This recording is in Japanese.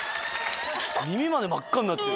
耳まで真っ赤になってる。